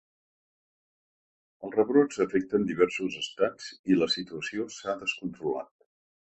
Els rebrots afecten diversos estats i la situació s’ha descontrolat.